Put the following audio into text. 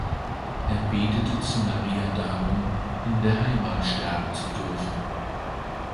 Er betete zu Maria darum, in der Heimat sterben zu dürfen.